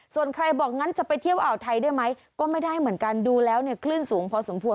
ส่วนใครบอกงั้นจะไปเที่ยวอ่าวไทยได้ไหมก็ไม่ได้เหมือนกันดูแล้วเนี่ยคลื่นสูงพอสมควร